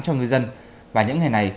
cho ngư dân và những ngày này